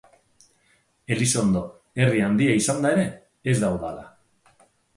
Elizondo, herri handia izanda ere, ez da udala.